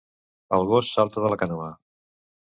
El gos salta de la canoa.